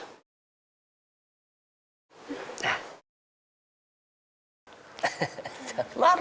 ya aku minta maaf kalau aku itu selalu bikin kamu khawatir